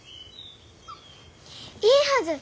いいはず。